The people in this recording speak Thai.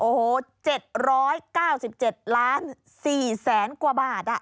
โอ้โห๗๙๗ล้าน๔แสนกว่าบาท